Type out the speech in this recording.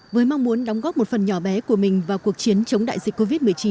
với mong muốn đóng góp một phần nhỏ bé của mình vào cuộc chiến chống đại dịch covid một mươi chín